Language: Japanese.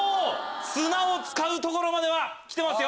砂を使うところまではきてますよ！